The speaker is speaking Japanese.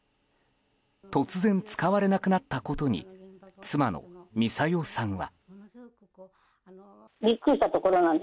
突然、使われなくなったことに妻のミサヨさんは。